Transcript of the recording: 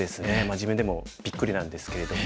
自分でもびっくりなんですけれども。